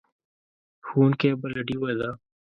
ښوونکی بله ډیوه ده.